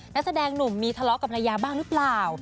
นักแสดงหนุ่มมีทะเลาะกับภรรยาบ้างหรือเปล่า